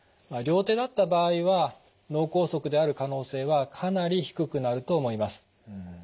両手だった場合は脳梗塞である可能性はかなり低くなると思います。